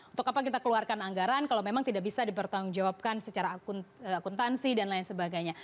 untuk apa kita keluarkan anggaran kalau memang tidak bisa dipertanggungjawabkan secara akuntansi dan lain sebagainya